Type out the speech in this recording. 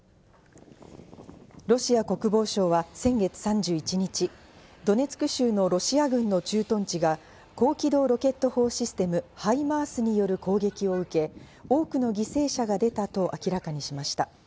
ロシア国防省は先月３１日、ドネツク州のロシア軍の駐屯地が、高軌道ロケット砲システム、ハイマースによる攻撃を受け、多くの犠牲者が出たと明らかにしました。